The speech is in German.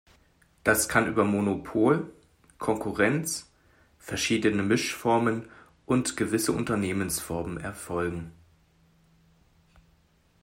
Das kann über Monopol, Konkurrenz, verschiedene Mischformen und gewisse Unternehmensformen erfolgen.